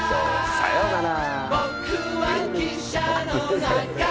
さよなら。